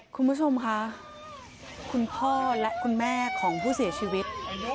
คุณผู้ชมค่ะคุณพ่อและคุณแม่ของผู้เสียชีวิต